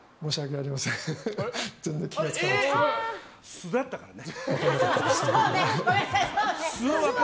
素だったからね。